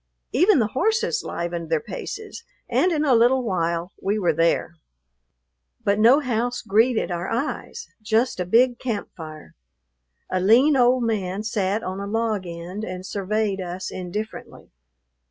Even the horses livened their paces, and in a little while we were there. But no house greeted our eyes, just a big camp fire. A lean old man sat on a log end and surveyed us indifferently.